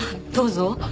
どうぞ。